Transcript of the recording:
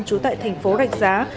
chú tại thành phố rạch giá